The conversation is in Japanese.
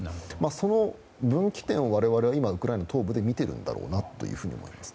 その分岐点を我々は今、ウクライナの東部で見ているんだろうなと思います。